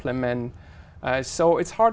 vì chúng ta thường